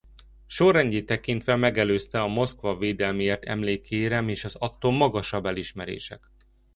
Sorrendjét tekintve megelőzte a Moszkva Védelméért emlékérem és az attól magasabb elismerések.